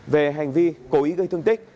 về hành vi cố ý gây thương tích